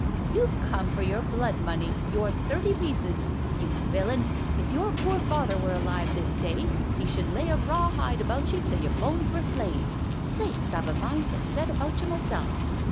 "You've come for your blood money your thirty pieces. You villain; if your poor father were alive this day he should lay a raw hide about you till your bones were flayed. Sakes! I've a mind to set about you myself.